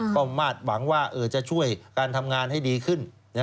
ก็มาดหวังว่าจะช่วยการทำงานให้ดีขึ้น